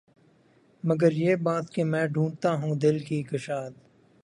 مگر یہ بات کہ میں ڈھونڈتا ہوں دل کی کشاد